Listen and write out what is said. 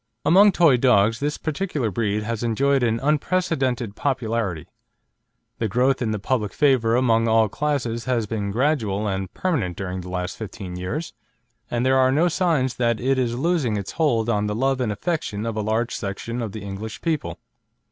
Among toy dogs this particular breed has enjoyed an unprecedented popularity; the growth in the public favour among all classes has been gradual and permanent during the last fifteen years, and there are no signs that it is losing its hold on the love and affection of a large section of the English people.